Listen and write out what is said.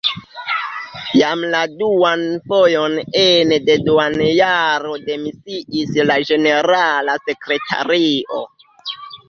Jam la duan fojon ene de duonjaro demisiis la ĝenerala sekretario.